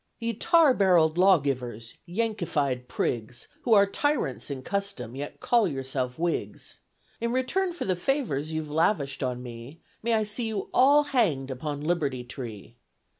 Ye tarbarrel'd Lawgivers, yankified Prigs, Who are Tyrants in Custom, yet call yourselves Whigs; In return for the Favors you've lavish'd on me, May I see you all hanged upon Liberty Tree.